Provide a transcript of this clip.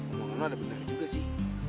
ngomong ngomong ada beneran juga sih